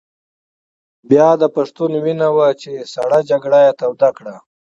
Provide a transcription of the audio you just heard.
بیا د پښتون وینه وه چې سړه جګړه یې توده کړه.